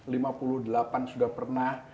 lima puluh delapan sudah pernah